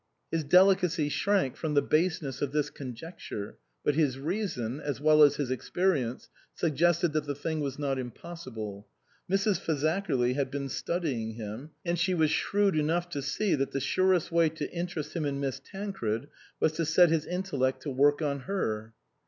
His delicacy shrank from the baseness of this conjecture, but his reason, as well as his experience, suggested that the thing was not impossible. Mrs. Fazakerly had been studying him, and she was shrewd enough to see that the surest way to interest him in Miss Tancred was to set his intellect to work on her.